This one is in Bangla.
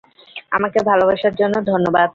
আমাকে ভালোবাসার জন্য ধন্যবাদ।